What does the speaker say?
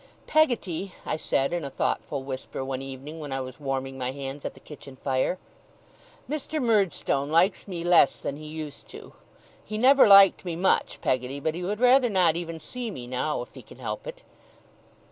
'Peggotty,' I said in a thoughtful whisper, one evening, when I was warming my hands at the kitchen fire, 'Mr. Murdstone likes me less than he used to. He never liked me much, Peggotty; but he would rather not even see me now, if he can help it.